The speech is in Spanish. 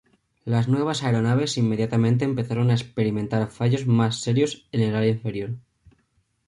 Las nuevas aeronaves inmediatamente empezaron a experimentar fallos más serios en el ala inferior.